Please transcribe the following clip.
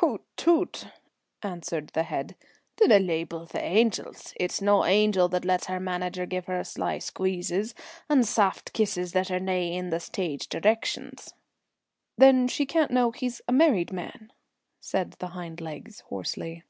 "Hoot toot!" answered the head. "Dinna leebel the angels. It's no an angel that lets her manager give her sly squeezes and saft kisses that are nae in the stage directions." "Then she can't know he's a married man," said the hind legs hoarsely.